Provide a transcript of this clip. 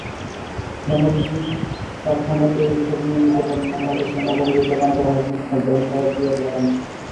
বাংলাদেশি কারখানার তৈরি পোশাক নিয়মিত পরেন বাংলাদেশে নবনিযুক্ত কানাডার হাইকমিশনার বেনওয়া পিয়ের লাঘামে।